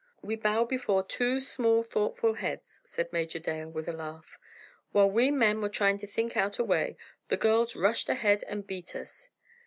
"We bow before two small thoughtful heads," said Major Dale, with a laugh, "while we men were trying to think out a way, the girls rushed ahead and beat us!"